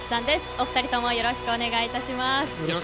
お二人ともよろしくお願いいたします。